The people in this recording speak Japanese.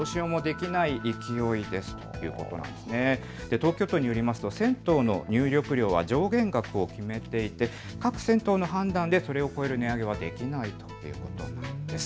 東京都によりますと銭湯の入浴料は上限額を決めていて各銭湯の判断でそれを超える値上げはできないということです。